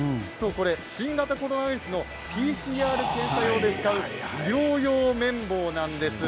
新型コロナウイルスのＰＣＲ検査用に使う医療用綿棒なんです。